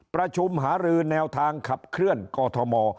ประชุมหารือแนวทางขับเคลื่อนกอทม